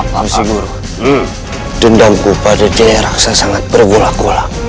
mas jigoro dendamku pada jaya raksa sangat bergulak gulak